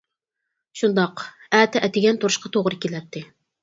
شۇنداق، ئەتە ئەتىگەن تۇرۇشقا توغرا كېلەتتى.